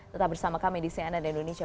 tetap bersama kami di cnn indonesia